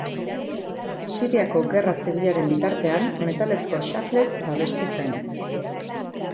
Siriako Gerra Zibilaren bitartean metalezko xaflez babestu zen.